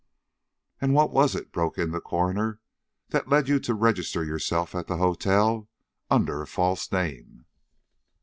"And what was it," broke in the coroner, "that led you to register yourself at the hotel under a false name?"